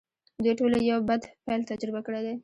دوی ټولو یو بد پیل تجربه کړی دی